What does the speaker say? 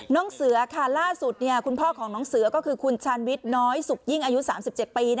น้องเสือค่ะล่าสุดคุณพ่อของน้องเสือก็คือคุณชาญวิทย์น้อยสุกยิ่งอายุ๓๗ปี